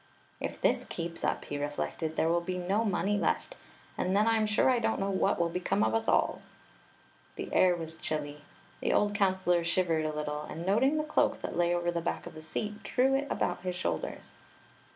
"If this keeps up," he reflected, "there will be no money left; and then I m sure I don't know what will become of us all!" The air was chilly. Vhe old counselor shivered a little, and noting the cloak that lay over the back of the seat, drew it about his shoulders.